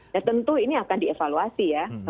dan tentu ini akan dievaluasi ya